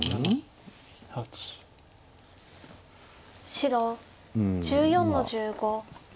白１４の十五。